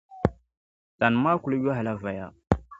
Tani maa kuli yohi la voya.